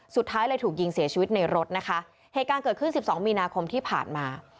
สุดท้ายเลยถูกยิงเสียชีวิตในรถนะคะเหตุการณ์เกิดขึ้นสิบสองมีนาคมที่ผ่านมา